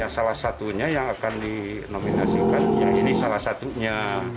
salah satunya yang akan dinominasikan ya ini salah satunya